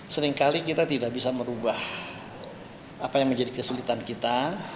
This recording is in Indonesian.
seringkali kita tidak bisa merubah apa yang menjadi kesulitan kita